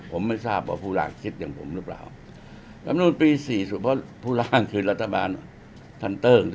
ผมไม่ทราบว่าผู้ร่างคิดอย่างผมหรือเปล่าลำนูลปีสี่สุดเพราะผู้ร่างคือรัฐบาลทันเตอร์